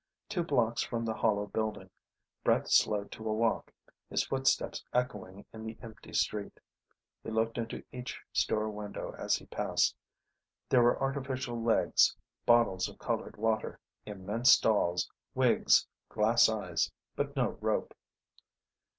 Two blocks from the hollow building, Brett slowed to a walk, his footsteps echoing in the empty street. He looked into each store window as he passed. There were artificial legs, bottles of colored water, immense dolls, wigs, glass eyes but no rope.